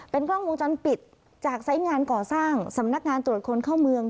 กล้องวงจรปิดจากไซส์งานก่อสร้างสำนักงานตรวจคนเข้าเมือง